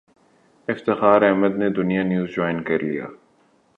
افتخار احمد نے Dunya News join کر لیا